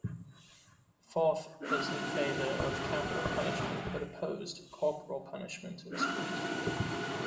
Forth was in favour of capital punishment, but opposed corporal punishment in schools.